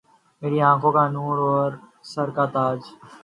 میری آنکهون کا نور أور سر کا تاج